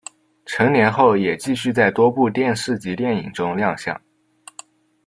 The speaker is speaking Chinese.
成年后也继续在多部电视及电影中亮相。